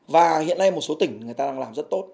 và hiện nay một số tỉnh người ta đang làm rất tốt